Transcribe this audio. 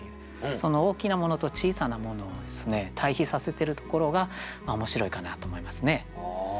その大きなものと小さなものを対比させてるところが面白いかなと思いますね。